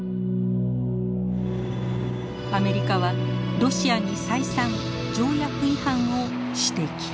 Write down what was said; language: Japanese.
アメリカはロシアに再三条約違反を指摘。